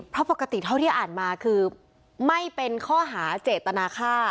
เพราะปกติเท่าที่อ่านมาคือไม่เป็นข้อหาเจตนาค่า